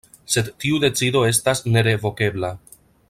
Sed tiu decido estas nerevokebla.